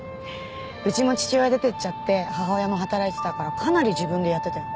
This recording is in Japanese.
うちも父親出てっちゃって母親も働いてたからかなり自分でやってたよ。